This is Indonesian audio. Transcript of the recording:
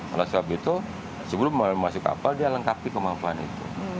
alasannya itu sebelum masuk kapal dia lengkapi kemampuan itu